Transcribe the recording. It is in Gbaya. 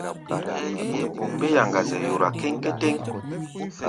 Mbé yaŋa-zɛ yora kéŋkétéŋ.